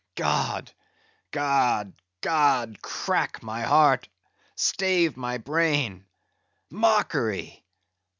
God! God! God!—crack my heart!—stave my brain!—mockery!